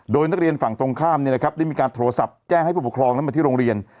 โดยนักเรียนฝั่งตรงข้ามได้มีการโทรศัพท์แจ้งให้ผู้ปกครองนั้นมาที่โรงเรียน